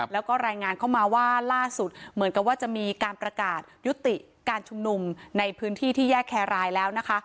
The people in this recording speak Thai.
แล้วก็รายงานเข้ามาว่าล่าสุดเหมือนกับว่าจะมีการประกาศยุติการชุมนุมในพื้นที่ที่แยกแครรายแล้วนะคะ